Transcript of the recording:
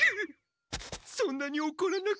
そんなにおこらなくても。